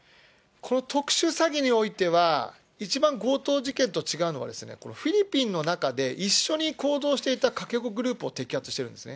この特殊詐欺においては、一番強盗事件と違うのは、フィリピンの中で一緒に行動していたかけ子グループを摘発してるんですね。